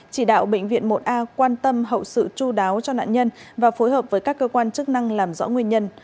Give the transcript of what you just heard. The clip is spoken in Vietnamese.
chỉ đạo bệnh viện một a quan tâm hậu sự chú đáo cho nạn nhân và phối hợp với các cơ quan chức năng làm rõ nguyên nhân